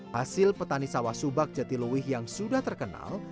hasil petani sawah subah jatiluih yang sudah terkenal